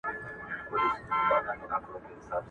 تا خو د زمان د سمندر څپو ته واچول ,